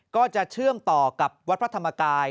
ก็จะเชื่อมต่อกับวัดพระธรรมกาย